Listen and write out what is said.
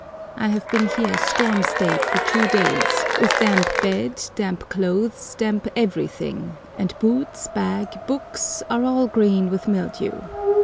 I have been here storm staid for two days, with damp bed, damp clothes, damp everything, and boots, bag, books, are all green with mildew.